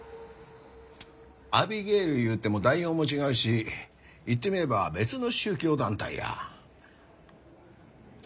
アビゲイルいうても代表も違うし言ってみれば別の宗教団体や。